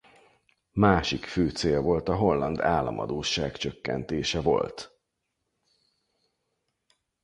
Másik fő cél volt a holland államadósság csökkentése volt.